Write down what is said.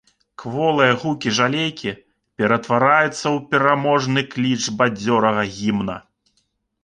Кволыя гукі жалейкі ператвараюцца ў пераможны кліч бадзёрага гімна.